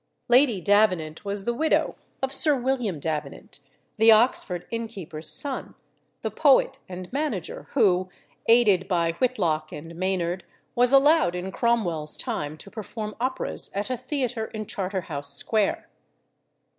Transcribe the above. Lady Davenant was the widow of Sir William Davenant, the Oxford innkeeper's son, the poet and manager, who, aided by Whitlocke and Maynard, was allowed in Cromwell's time to perform operas at a theatre in Charterhouse Square.